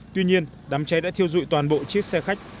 tuy nhiên đám cháy đã thiêu dụi toàn bộ chiếc xe khách